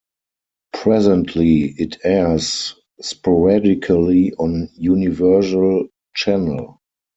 Presently it airs sporadically on Universal Channel.